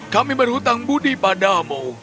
kami berhutang budi padamu